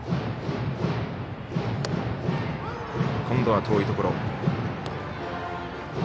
今度は遠いところ。